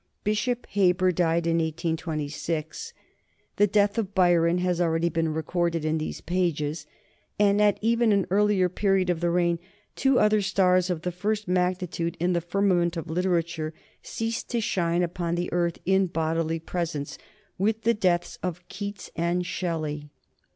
Bishop Heber died in 1826. The death of Byron has already been recorded in these pages, and at even an earlier period of the reign two other stars of the first magnitude in the firmament of literature ceased to shine upon the earth in bodily presence with the deaths of Keats and Shelley.